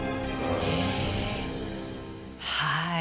はい。